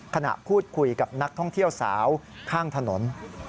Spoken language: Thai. ขณะพูดคุยกับนักท่องเที่ยวสาวข้างถนน